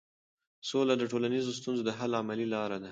سوله د ټولنیزو ستونزو د حل عملي لار ده.